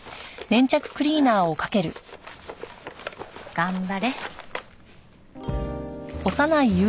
頑張れ。